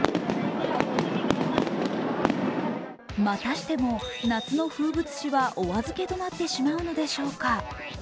またしても夏の風物詩はお預けとなってしまうのでしょうか。